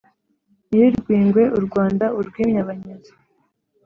nyiri-rwingwe u rwanda urwimye abanyazi.